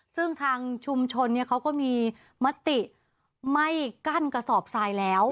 ซึ่งทางชุมชนเขาก็มีมติไม่กั้นกระสอบทรายแล้ว